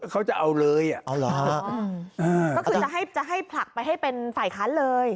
เขาจะเอาเลยอ่ะเอาเหรอฮะก็คือจะให้จะให้ผลักไปให้เป็นฝ่ายค้านเลย